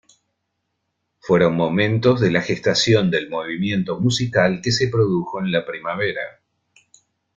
Fueron momentos de la gestación del movimiento musical que se produjo en la primavera.